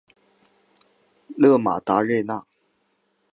勒马达热奈。